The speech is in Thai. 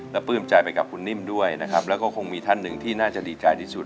และปลื้มใจไปกับคุณนิ่มด้วยนะครับแล้วก็คงมีท่านหนึ่งที่น่าจะดีใจที่สุด